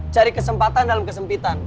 cari kesempatan dalam kesempitan